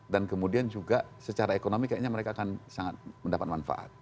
dan kemudian juga secara ekonomi kayaknya mereka akan sangat mendapat manfaat